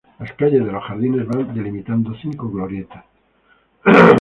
Las calles de los jardines van delimitando cinco glorietas.